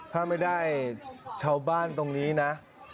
ถ้าไม่ได้ชาวบ้านตรงนี้นะ